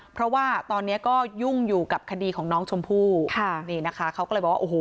เพราะว่าตอนเนี้ยก็ยุ่งอยู่กับคดีของน้องชมพู่ค่ะนี่นะคะเขาก็เลยบอกว่าโอ้โห